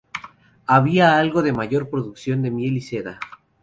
Había algo de mayor producción de miel y seda.